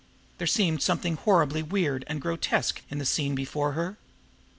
There seemed something horribly weird and grotesque in the scene before her.